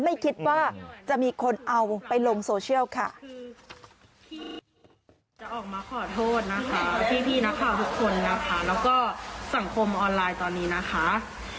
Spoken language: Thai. ที่พวกหนูทำไปรูดเท่าไม่ถึงการ